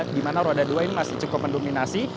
di mana roda dua ini masih cukup mendominasi